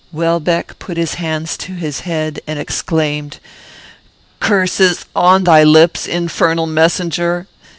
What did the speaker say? Welbeck put his hands to his head, and exclaimed, "Curses on thy lips, infernal messenger!